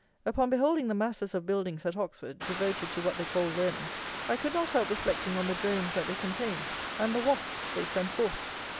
Upon beholding the masses of buildings at Oxford devoted to what they call "learning," I could not help reflecting on the drones that they contain and the wasps they send forth!